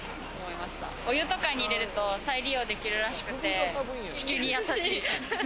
お湯とかに入れると再利用できるらしくて、地球にやさしい。